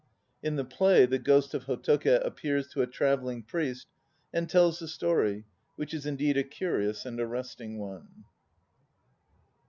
In the play the ghost of Hotoke appears to a "travelling priest" and tells the story, which is indeed a curious and arresting one.